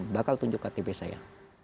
bakal tunjuk ktp saya